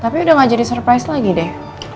tapi udah gak jadi surprise lagi deh